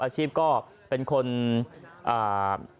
ชีพก็เป็นคนอ่า